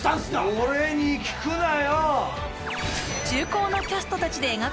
俺に聞くなよ！